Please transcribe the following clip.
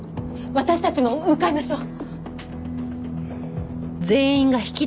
私たちも向かいましょう。